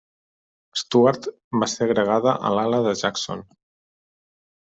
Stuart va ser agregada a l'ala de Jackson.